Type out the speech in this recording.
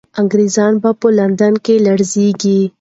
انګریزان به په لندن کې لړزېږي.